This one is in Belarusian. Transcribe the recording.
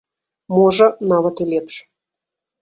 Можа, нават і лепш.